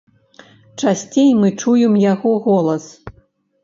Часцей мы чуем яго голас.